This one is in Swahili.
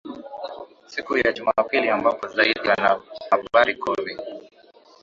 siku ya jumapili ambapo zaidi wanahabari kumi